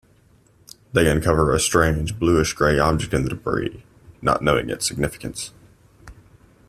They uncover a strange, bluish-gray object in the debris, not knowing its significance.